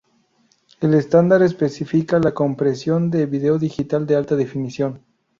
El estándar especifica la compresión de vídeo digital de alta definición.